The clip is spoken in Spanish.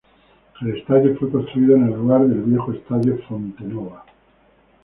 El estadio fue construido en el lugar del viejo Estadio Fonte Nova.